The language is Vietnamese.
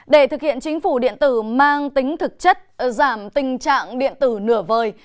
để thực hiện chính phủ điện tử mang tính thực chất giảm tình trạng điện tử nửa vời